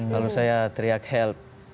lalu saya teriak help